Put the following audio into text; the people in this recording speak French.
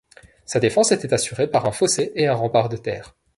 Sa défense était assurée par un fossé et un rempart de terre.